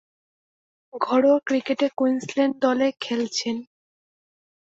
ঘরোয়া ক্রিকেটে কুইন্সল্যান্ড দলে খেলেছেন।